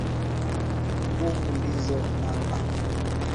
Nguvu ndizo nanga.